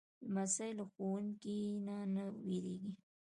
لمسی له ښوونکو نه نه وېرېږي.